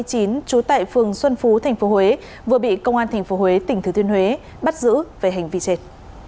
trú tại phường xuân phú tp huế vừa bị công an tp huế tỉnh thứ thiên huế bắt giữ về hành vi trên